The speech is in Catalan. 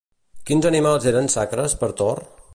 Quins animals eren sacres per Thor?